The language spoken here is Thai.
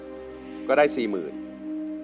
ถ้าพร้อมอินโทรเพลงที่สี่มาเลยครับ